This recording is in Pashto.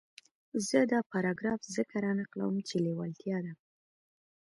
زه دا پاراګراف ځکه را نقلوم چې لېوالتیا ده.